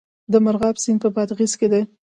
د مرغاب سیند په بادغیس کې دی